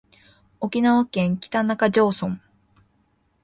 沖縄県北中城村